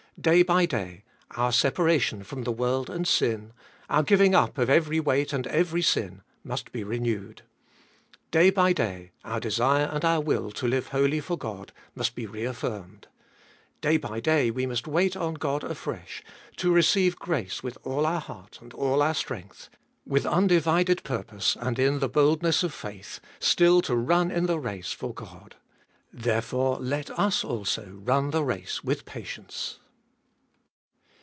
Day by day, our separation from the world and sin, our giving up of every weight and every sin, must be renewed. Day by day our desire and our will to live wholly for God must be reaffirmed. Day by day we must wait on God afresh, to receive grace with all our heart and all our strength ; with undivided purpose and in the boldness of faith, still to run in the race for God. There fore let us also run the race with patience.